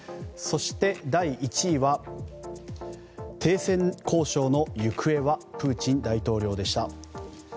そして、第１位は停戦交渉の行方はプーチン大統領でした。